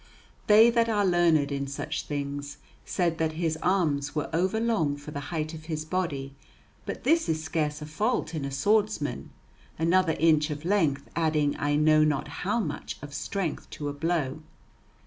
They that are learned in such things said that his arms were over long for the height of his body; but this is scarce a fault in a swordsman, another inch of length adding I know not how much of strength to a blow.